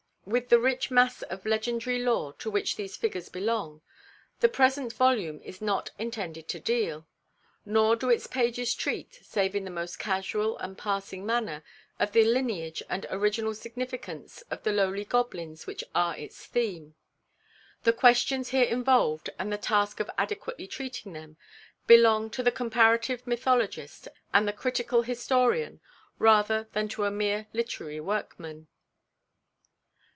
With the rich mass of legendary lore to which these figures belong, the present volume is not intended to deal; nor do its pages treat, save in the most casual and passing manner, of the lineage and original significance of the lowly goblins which are its theme. The questions here involved, and the task of adequately treating them, belong to the comparative mythologist and the critical historian, rather than to the mere literary workman.